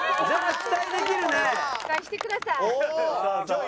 期待してください。